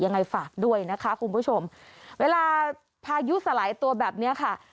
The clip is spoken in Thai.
ยังไงฝากด้วยนะคะคุณผู้ชมเวลาพายุสลายตัวแบบนี้ค่ะ